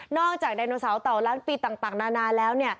จากไดโนเสาร์เต่าล้านปีต่างนานาแล้ว